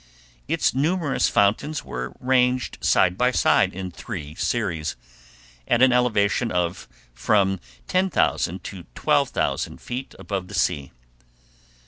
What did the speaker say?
Its numerous fountains were ranged side by side in three series, at an elevation of from 10,000 to 12,000 feet above the sea.